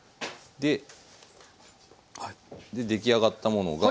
出来上がったものが。